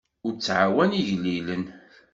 Ur tɛawen igellilen.